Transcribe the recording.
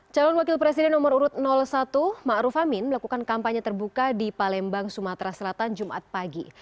calon wakil presiden nomor urut satu ⁇ maruf ⁇ amin melakukan kampanye terbuka di palembang sumatera selatan jumat pagi